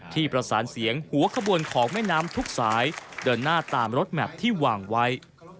ประสานเสียงหัวขบวนของแม่น้ำทุกสายเดินหน้าตามรถแมพที่วางไว้